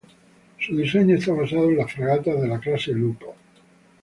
Su diseño está basado en las fragatas de la Clase Lupo.